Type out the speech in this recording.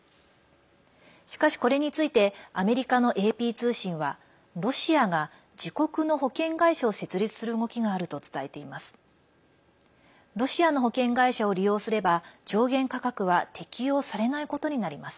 しかし、これについてアメリカのＡＰ通信はロシアが、自国の保険会社を設立する動きがあると伝えています。